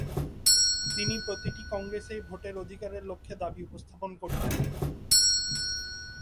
তিনি প্রতিটি কংগ্রেসেই ভোটের অধিকারের লক্ষ্যে দাবী উপস্থাপন করতেন।